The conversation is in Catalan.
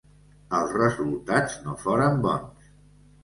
Els resultats no foren bons.